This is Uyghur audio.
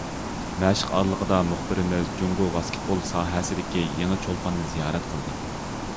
مەشىق ئارىلىقىدا مۇخبىرلىرىمىز جۇڭگو ۋاسكېتبول ساھەسىدىكى يېڭى چولپاننى زىيارەت قىلدى.